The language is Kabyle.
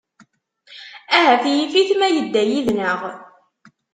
Ahat yif-it ma tedda yid-nneɣ.